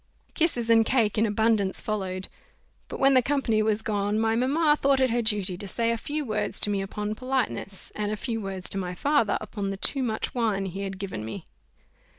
Kisses and cake in abundance followed but when the company was gone, my mamma thought it her duty to say a few words to me upon politeness, and a few words to my father upon the too much wine he had given me.